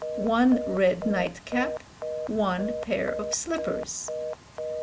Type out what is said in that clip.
"One red night cap, "One pair of slippers.